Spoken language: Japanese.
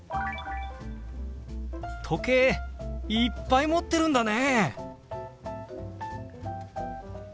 「時計いっぱい持ってるんだね！」。